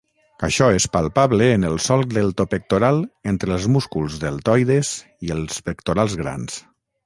Això és palpable en el solc deltopectoral entre els músculs deltoides i els pectorals grans.